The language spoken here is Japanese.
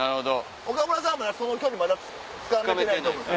岡村さんはその距離まだつかめてないと思う。